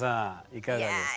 いかがですか？